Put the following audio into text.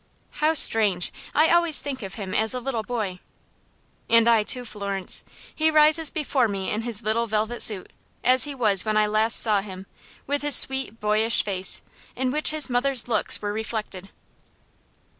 "How strange! I always think of him as a little boy." "And I, too, Florence. He rises before me in his little velvet suit, as he was when I last saw him, with his sweet, boyish face, in which his mother's looks were reflected."